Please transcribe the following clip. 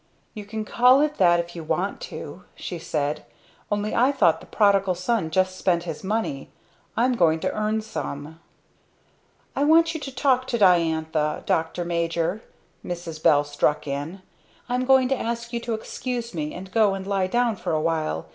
"You can call it that if you want to," she said, "Only I thought the Prodigal Son just spent his money I'm going to earn some." "I want you to talk to Diantha, Doctor Major," Mrs. Bell struck in. "I'm going to ask you to excuse me, and go and lie down for a little.